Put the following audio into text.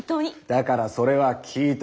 だからそれは聞いた。